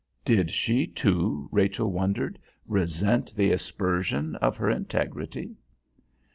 Did she too, Rachel wondered, resent the aspersion of her integrity?